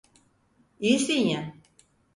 İyisin ya?